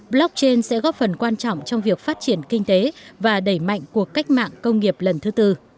blockchain sẽ góp phần quan trọng trong việc phát triển kinh tế và đẩy mạnh cuộc cách mạng công nghiệp lần thứ tư